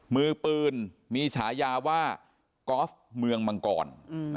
มือปืนมีฉายาว่ากอล์ฟเมืองมังกร